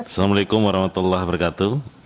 assalamu alaikum warahmatullahi wabarakatuh